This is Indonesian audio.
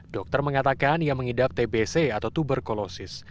dokter mengatakan ia mengidap tbc atau tuberkulosis